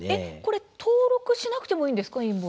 登録しなくてもいいんですか。